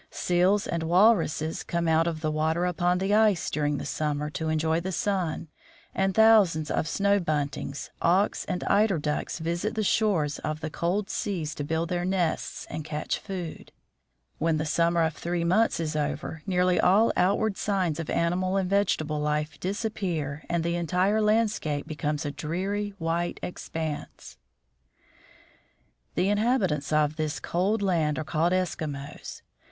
Seals and 6 THE FROZEN NORTH walruses come out of the water upon the ice, during the summer, to enjoy the sun, and thousands of snow buntings, auks, and eider ducks visit the shores of the cold seas to build their nests and catch food. When the summer of three months is over, nearly all outward signs of animal and vegetable life disappear and the entire landscape be comes a dreary, white expanse. The inhabitants of this cold land are called Eskimos.